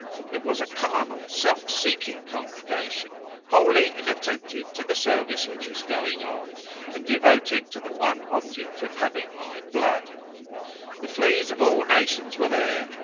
It was a carnal, self seeking congregation, wholly inattentive to the service which was going on, and devoted to the one object of having my blood. The fleas of all nations were there.